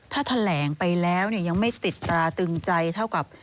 ถ้าแถลงไปแล้วเนี่ยยังไม่ติดตราตึงใจเท่ากับ